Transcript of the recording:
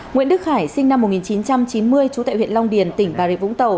nguyễn đức khải sinh năm một nghìn chín trăm chín mươi trú tại huyện long điền tỉnh bà rịa vũng tàu